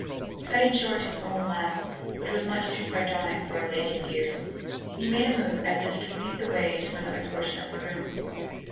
Cutting short his own laugh which was much too sardonic for a lady's ears, he made a move as if to lead the way into another portion of the room.